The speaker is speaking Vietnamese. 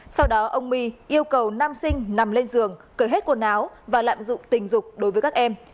sau đó ông my yêu cầu nam sinh nằm lên giường cởi hết quần áo và lạm dụng tình dục đối với các em